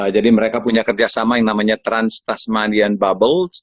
jadi mereka punya kerjasama yang namanya trans tasmanian bubble